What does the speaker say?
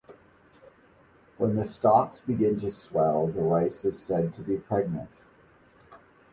When the stalks begin to swell, the rice is said to be pregnant.